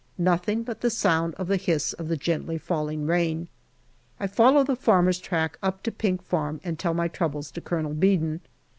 Nothing but the sound of the hiss of the gently falling rain. I follow the farmer's track up to Pink Farm and tell my troubles to Colonel Beadon.